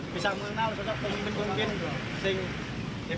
bisa mengenal bisa tengi tengokin